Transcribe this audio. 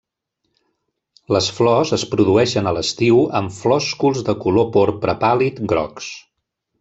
Les flors es produeixen a l'estiu amb flòsculs de color porpra pàl·lid grocs.